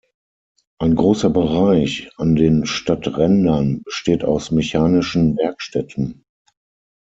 Ein großer Bereich an den Stadträndern besteht aus mechanischen Werkstätten.